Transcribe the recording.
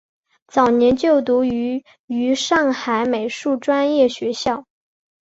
早年就读于于上海美术专科学校。